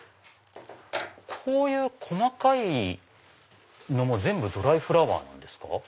こういう細かいのも全部ドライフラワーなんですか？